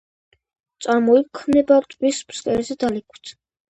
წარმოიქმნება ტბის ფსკერზე დალექვით.